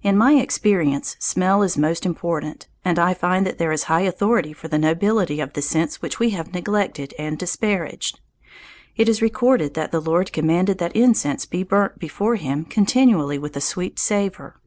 In my experience smell is most important, and I find that there is high authority for the nobility of the sense which we have neglected and disparaged. It is recorded that the Lord commanded that incense be burnt before him continually with a sweet savour.